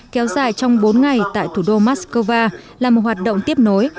kéo dài trong bốn ngày tại thủ đô moscow là một hoạt động tiếp nối